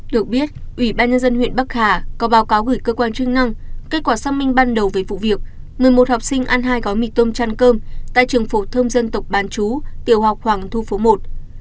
được biết ủy ban nhân dân huyện bắc hà có báo cáo gửi cơ quan chức năng kết quả xác minh ban đầu về vụ việc một mươi một học sinh ăn hai gói mì tôm chăn cơm tại trường phổ thông dân tộc bán chú tiểu học hoàng thu phố một